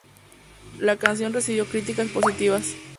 La canción recibió críticas positivas.